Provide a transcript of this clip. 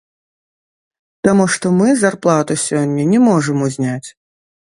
Таму што мы зарплату сёння не можам узняць.